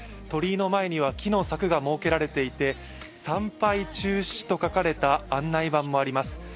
鳥居の前には木の柵が設けられていて参拝中止と書かれた案内板があります。